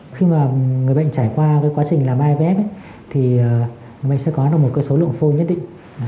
khi mà người bệnh trải qua quá trình làm ivf thì người bệnh sẽ có một số lượng phôi nhất định